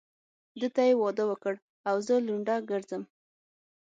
ده ته يې واده وکړ او زه لونډه ګرځم.